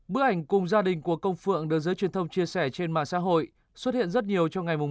bức ảnh cùng gia đình của công phượng được giới truyền thông chia sẻ trên mạng xã hội xuất hiện rất nhiều trong ngày một tháng một